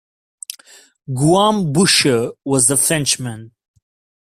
Guillaume Bouchier was the Frenchman.